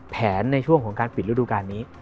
แผนในช่วงของการปิดรุดดูการณ์นี้